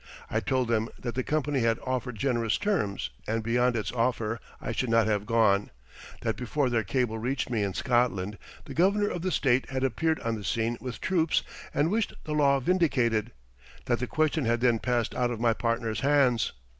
I told them that the company had offered generous terms and beyond its offer I should not have gone; that before their cable reached me in Scotland, the Governor of the State had appeared on the scene with troops and wished the law vindicated; that the question had then passed out of my partners' hands.